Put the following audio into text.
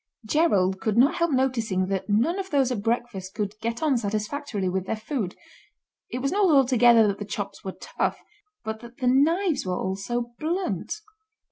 Gerald could not help noticing that none of those at breakfast could get on satisfactorily with their food. It was not altogether that the chops were tough, but that the knives were all so blunt.